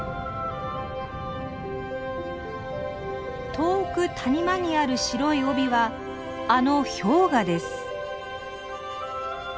遠く谷間にある白い帯はあの氷河です。